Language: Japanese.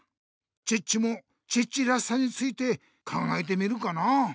チッチもチッチらしさについて考えてみるかな。